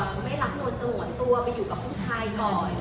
ไม่รับนวลสงวนตัวไปอยู่กับผู้ชายก่อน